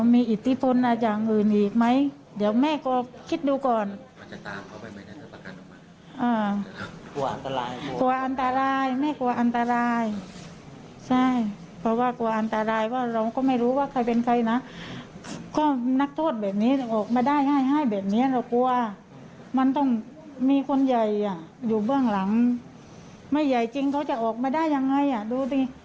ไม่ต้องมีคนใหญ่อยู่เบื้องหลังไม่ใหญ่จริงเขาจะออกมาได้ยังไงดูดิ